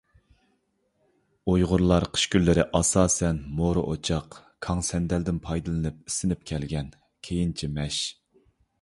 ئۇيغۇرلار قىش كۈنلىرى ئاساسەن مورا ئوچاق، كاڭ، سەندەلدىن پايدىلىنىپ ئىسسىنىپ كەلگەن، كېيىنچە مەش.